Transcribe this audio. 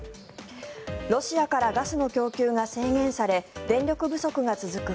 ロシアからガスの供給が制限され電力不足が続く